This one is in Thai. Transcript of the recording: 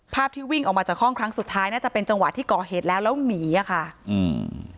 ที่วิ่งออกมาจากห้องครั้งสุดท้ายน่าจะเป็นจังหวะที่ก่อเหตุแล้วแล้วหนีอ่ะค่ะอืม